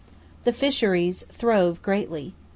The fisheries throve greatly.